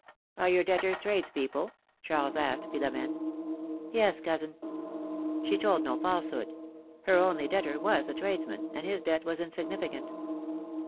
^^Are your debtors tradespeople?" Charles asked Philom^ne. Yes, cousin." She told no falsehood ; her only debtor was a trades man, and his debt was insignificant.